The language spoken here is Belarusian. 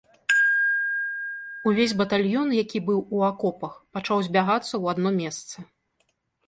Увесь батальён, які быў у акопах, пачаў збягацца ў адно месца.